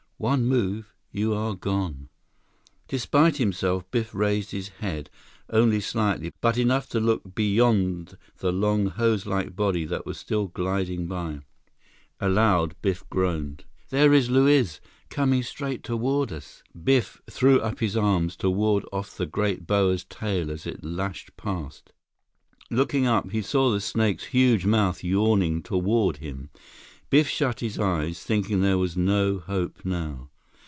One move, you are gone." Despite himself, Biff raised his head, only slightly, but enough to look beyond the long, hoselike body that was still gliding by. Aloud, Biff groaned: "There is Luiz—coming straight toward us—" Biff threw up his arms to ward off the great boa's tail as it lashed past. Looking up, he saw the snake's huge mouth yawning toward him. Biff shut his eyes, thinking there was no hope now.